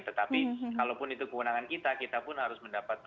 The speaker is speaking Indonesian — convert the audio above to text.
tetapi kalaupun itu kewenangan kita kita pun harus mendapatkan